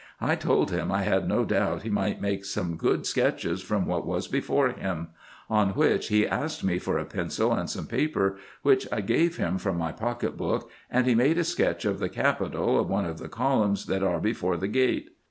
I told him I had no doubt he might make some good sketches from what was before him ; on which he asked me for a pencil and some paper, which I gave him from my pocket book, and he made a sketch of the capital of one of the columns that are before the gate.